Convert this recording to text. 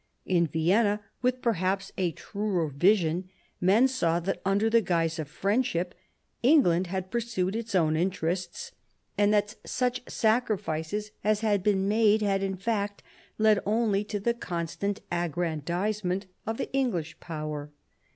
In Vienna, with perhaps a truer vision, men saw that under the guise of friendship England had pursued its own interests, and that such sacrifices as had been made had in fact led only to the constant aggrandisement of the English power.